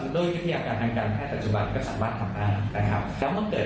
ด้วยการอังกฎแพทย์จุบันใต้สรรวจอันตรญ